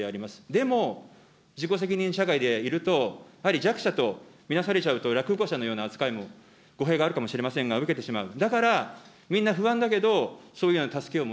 でも、自己責任社会でいると、やはり弱者と見なされちゃうと、らくご者のような扱いを、語弊があるかもしれませんが、受けてしまう。